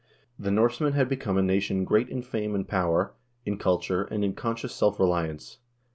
The Norsemen had become a nation great in fame and power, in culture, and in conscious self reliance.